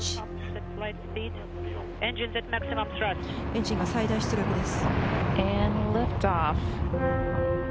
「エンジンが最大出力です」。